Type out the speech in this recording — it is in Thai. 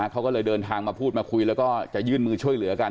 เขาก็เลยเดินทางมาพูดมาคุยแล้วก็จะยื่นมือช่วยเหลือกัน